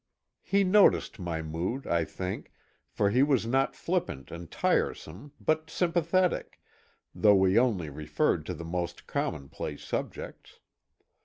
He noticed my mood, I think, for he was not flippant and tiresome, but sympathetic though we only referred to the most commonplace subjects.